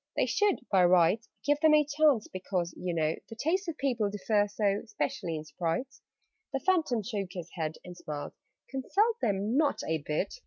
"They should, by rights, Give them a chance because, you know, The tastes of people differ so, Especially in Sprites." The Phantom shook his head and smiled. "Consult them? Not a bit!